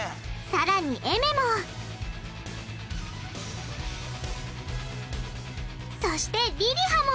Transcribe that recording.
さらにえめもそしてりりはも！